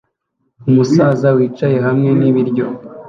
Umusaza wicaye hamwe nibiryo